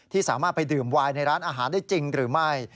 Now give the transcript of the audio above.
สามารถไปดื่มวายในร้านอาหารได้จริงหรือไม่